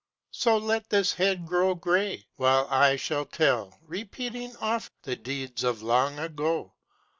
So let this head grow gray, while I shall tell, Repeating oft, the deeds of long ago!